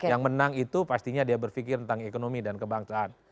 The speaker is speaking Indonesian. yang menang itu pastinya dia berpikir tentang ekonomi dan kebangsaan